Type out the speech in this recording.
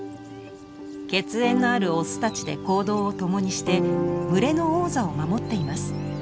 血縁のあるオスたちで行動をともにして群れの王座を守っています。